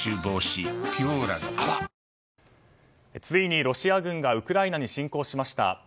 ついにロシア軍がウクライナに侵攻しました。